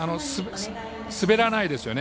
滑らないですよね。